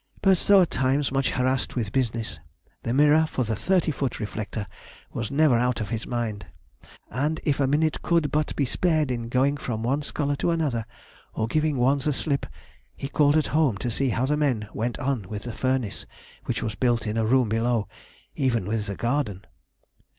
But, though at times much harassed with business, the mirror for the thirty foot reflector was never out of his mind, and if a minute could but be spared in going from one scholar to another, or giving one the slip, he called at home to see how the men went on with the furnace, which was built in a room below, even with the garden.